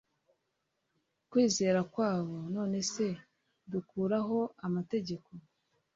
kwizera kwabo Nonese dukuraho amategeko